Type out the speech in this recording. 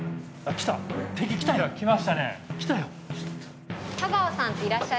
来たよ。